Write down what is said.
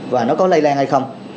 và nó có lây lan hay không